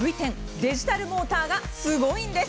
デジタルポーターがすごいんです。